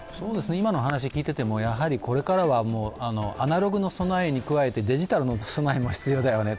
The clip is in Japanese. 今の話を聞いてても、これからはアナログの備えに加えてデジタルの備えも必要だよねと。